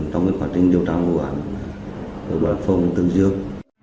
trong quá trình điều tra của quản phòng tương dương